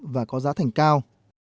và có giá thành cao